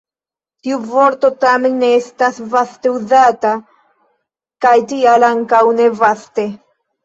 Tiu vorto tamen ne estas vaste uzata, kaj tial ankaŭ ne vaste.